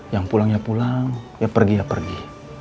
yang pulang ya pulang yang pergi ya pergi